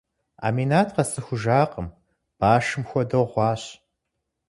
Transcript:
Аминат къэсцӏыхужакъым, башым хуэдэу гъуащ.